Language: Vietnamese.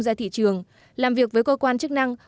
ra thị trường làm việc với cơ quan chức năng